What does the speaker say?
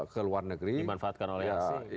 ke luar negeri dimanfaatkan oleh asing